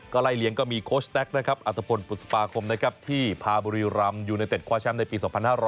ก็ไร่เลี้ยงก็มีโคชแต๊กอัตภพนธ์ปุสปาคมที่พาบุรีรัมย์อยู่ในเต็ดขวาแชมป์ในปี๒๕๕๔